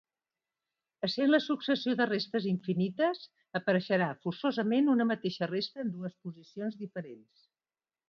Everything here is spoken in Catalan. Essent la successió de restes infinita, apareixerà forçosament una mateixa resta en dues posicions diferents.